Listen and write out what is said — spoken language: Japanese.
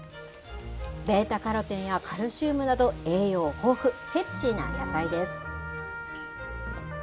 ベータカロテンやカルシウムなど、栄養豊富、ヘルシーな野菜です。